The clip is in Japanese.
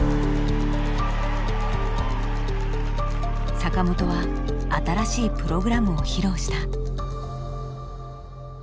坂本は新しいプログラムを披露した。